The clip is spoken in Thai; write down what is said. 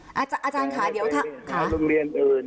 ค่ะอาจารย์ค่ะเดี๋ยวถ้า